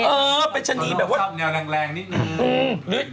เออเป็นชนีอยู่แนวแหล่งนิดหนึ่ง